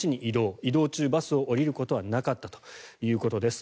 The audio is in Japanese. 移動中バスを降りることはなかったということです。